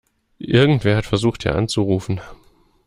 Irgendwer hat versucht, hier anzurufen.